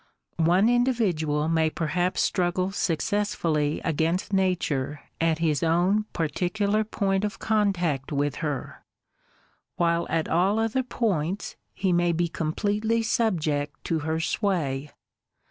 One individual may perhaps struggle successfully against Nature at his own particular point of contact with her, while at all other points he may be completely subject to her sway.